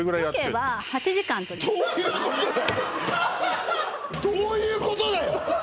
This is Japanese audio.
ロケはどういうことだよ！？